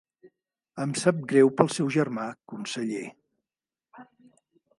Em sap greu pel seu germà, conseller.